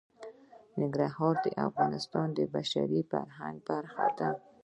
ننګرهار د افغانستان د بشري فرهنګ برخه ده.